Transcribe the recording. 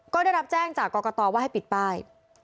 ก็ได้รับแจ้งจากกรกตว่าให้ปิดป้าย